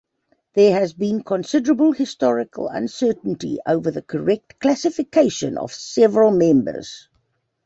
There has been considerable historical uncertainty over the correct classification of several members.